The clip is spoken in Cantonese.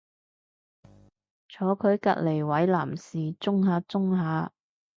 坐佢隔離位男士舂下舂下